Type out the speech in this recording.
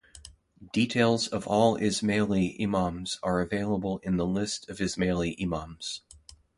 Details of all Ismaili imams are available in the list of Ismaili imams.